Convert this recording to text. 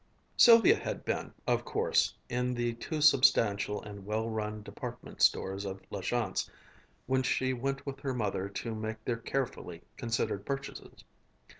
Sylvia had been, of course, in the two substantial and well run department stores of La Chance, when she went with her mother to make their carefully considered purchases.